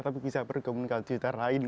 tapi bisa berkomunikasi dengan orang lain